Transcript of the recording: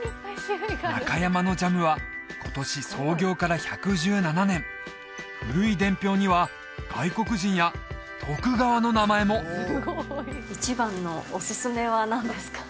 中山のジャムは今年創業から１１７年古い伝票には外国人や徳川の名前も一番のおすすめは何ですか？